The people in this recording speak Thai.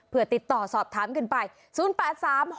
เพื่อติดต่อสอบถามกันไป๐๘๓๖